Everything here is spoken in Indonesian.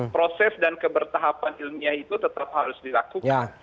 proses dan kebertahapan ilmiah itu tetap harus dilakukan